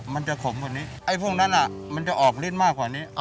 มันจะขมกว่านี้ไอ้พวกนั้นอ่ะมันจะออกฤทธิ์มากกว่านี้อ๋อ